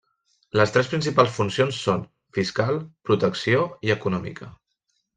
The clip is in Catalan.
Les tres principals funcions són: fiscal, protecció i econòmica.